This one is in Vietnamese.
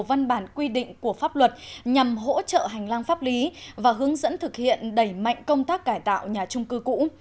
văn bản quy định của pháp luật nhằm hỗ trợ hành lang pháp lý và hướng dẫn thực hiện đẩy mạnh công tác cải tạo nhà trung cư cũ